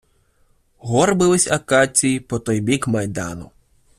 Горбились акації по той бік майдану.